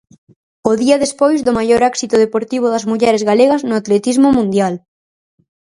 O día despois do maior éxito deportivo das mulleres galegas no atletismo mundial.